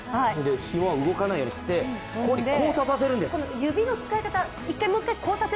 ひもを動かないようにしてここに交差させるんです。